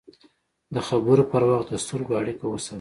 د خبرو پر وخت د سترګو اړیکه وساتئ